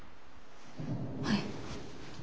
はい。